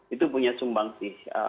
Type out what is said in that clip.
itu punya sumbangsi